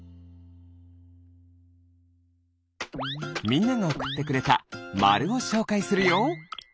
みんながおくってくれたまるをしょうかいするよ。